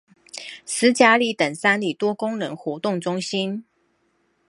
十甲里等三里多功能活動中心